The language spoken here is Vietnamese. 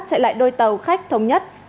chạy lại đôi tàu khách thống nhất